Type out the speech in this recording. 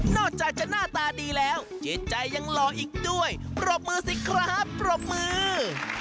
จากจะหน้าตาดีแล้วจิตใจยังหล่ออีกด้วยปรบมือสิครับปรบมือ